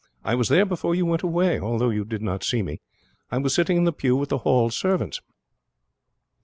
I was there before you went away, although you did not see me. I was sitting in the pew with the Hall servants."